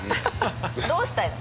どうしたいの？